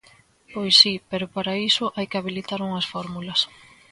Pois si, pero para iso hai que habilitar unhas fórmulas.